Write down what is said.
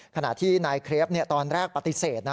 ขณะที่นายเครปตอนแรกปฏิเสธนะ